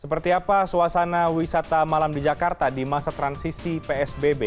seperti apa suasana wisata malam di jakarta di masa transisi psbb